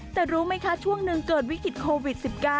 แต่รู้ไหมคะช่วงหนึ่งเกิดวิกฤตโควิด๑๙